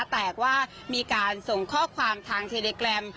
แต่ว่ามีการส่งข้อความทางเทเดแกรม